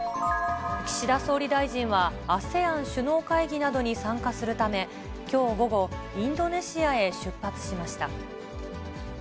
岸田総理大臣は、ＡＳＥＡＮ首脳会議などに参加するため、きょう午後、インドネシアへ出発しました。